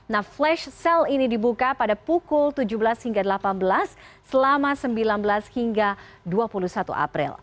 nah flash sale ini dibuka pada pukul tujuh belas hingga delapan belas selama sembilan belas hingga dua puluh satu april